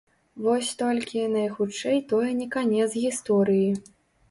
Вось толькі, найхутчэй, тое не канец гісторыі.